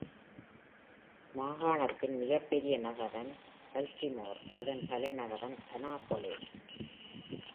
மாகாணத்தின் மிகப்பெரிய நகரம், Baltimore, அதன் தலைநகரம், Annapolis.